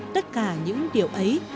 tất cả những điều ấy